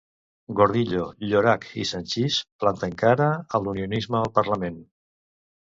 Gordillo, Llorach i Sanchis planten cara a l'unionisme al parlament.